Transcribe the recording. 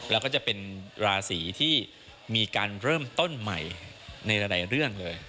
แล้วก็จะเป็นราศีที่มีการเริ่มต้นใหม่ในหลายเรื่องเลย